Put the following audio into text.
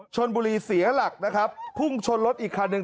ชนบุรีเสียหลักนะครับพุ่งชนรถอีกครั้งหนึ่ง